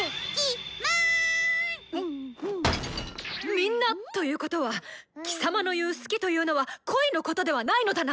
「みんな」ということは貴様の言う「好き」というのは恋のことではないのだな